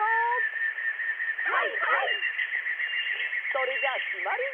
それじゃあきまり！